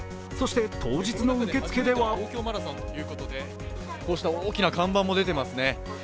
そして当日の受け付けではこうした大きな看板も出ていますね。